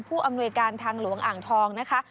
อำนวยการทางหลวงอ่างทองนะคะ